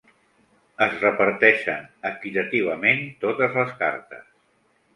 Es reparteixen equitativament totes les cartes.